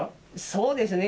そうですね。